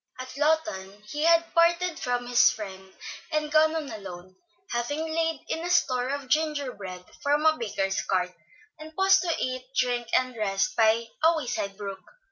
At Lawton he had parted from his friend and gone on alone, having laid in a store of gingerbread from a baker's cart, and paused to eat, drink, and rest by a wayside brook.